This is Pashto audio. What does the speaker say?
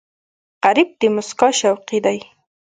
غریب د موسکا شوقي دی